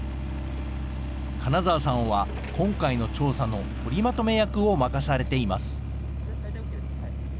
金澤さんは、今回の調査の取りまとめ役を任されています。